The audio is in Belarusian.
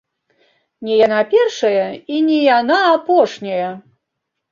Не яна першая, і не яна апошняя!